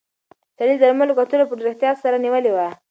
سړي د درملو کڅوړه په ډېر احتیاط سره نیولې وه.